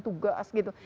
tidak akan tugas gitu